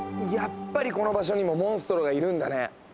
やっぱりこの場所にもモンストロがいるんだね。